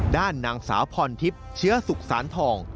ด้านนางสาวพรทิพย์เชื้อสุขสานทอง